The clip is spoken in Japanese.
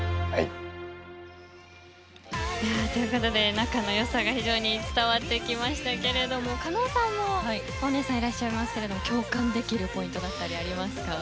仲の良さが非常に伝わってきましたけれども狩野さんもお姉さんいらっしゃいますが共感できるポイントだったりありますか？